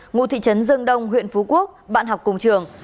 ngụ thị trấn dương đông huyện phú quốc bạn học cùng trường